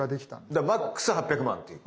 だからＭＡＸ８００万っていう。